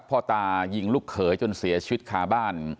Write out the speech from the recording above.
พ่อตายิงลูกเขยจนเสียชีวิตคาบ้าน